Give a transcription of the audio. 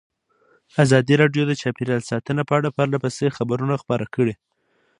ازادي راډیو د چاپیریال ساتنه په اړه پرله پسې خبرونه خپاره کړي.